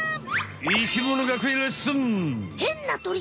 「生きもの学園レッスン！」。